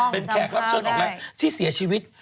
เป็นแขกรับเชิญออกมาที่เสียชีวิต